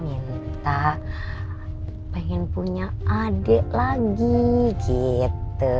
minta pengen punya adik lagi gitu